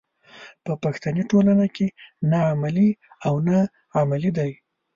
په پښتني ټولنه کې نه عملي او نه علمي دی.